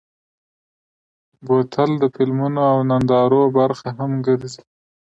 بوتل د فلمونو او نندارو برخه هم ګرځي.